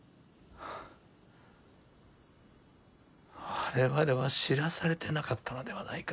我々は知らされてなかったのではないか？